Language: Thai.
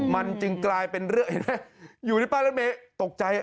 มันจึงกลายเป็นเรื่องอยู่ในป้านรถเมตกใจ